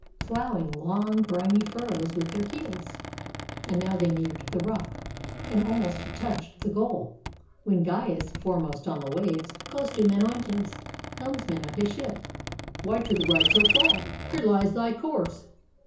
Ploughing long briny furrows with their keels. And now they neared the rock, and almost touched The goal, when Gyas, foremost on the waves, Calls to Mencetes, helmsman of his ship :— "Why to the right so far? Here lies thy course!